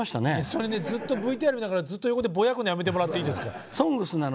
それねずっとＶＴＲを見ながらずっと横でぼやくのやめてもらっていいですか。